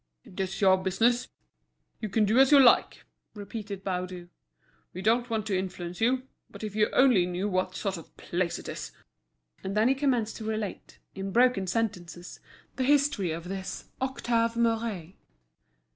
"It's your business, you can do as you like," repeated Baudu. "We don't want to influence you. But if you only knew what sort of place it is—" And he commenced to relate, in broken sentences, the history of this Octave Mouret.